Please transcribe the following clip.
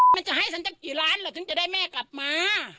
มันจะให้ฉันจะกี่ล้านเหรอถึงจะได้แม่กลับมา